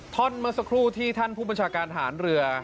ท่อนเมื่อสักครู่ที่ท่านผู้บัญชาการฐานเรือ